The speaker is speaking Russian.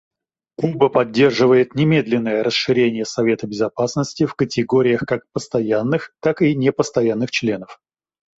Куба поддерживает немедленное расширение Совета Безопасности в категориях как постоянных, так и непостоянных членов.